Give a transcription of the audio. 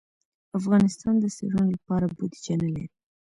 افغانستان د څېړنو لپاره بودیجه نه لري.